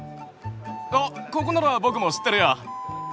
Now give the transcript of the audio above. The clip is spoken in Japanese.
あっここなら僕も知ってるよ。